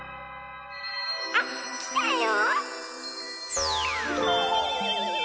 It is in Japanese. あっきたよ！